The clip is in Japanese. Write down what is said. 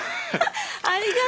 ありがとう！